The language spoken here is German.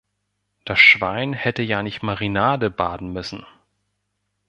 Das Schwein hätte ja nicht Marinade baden müssen.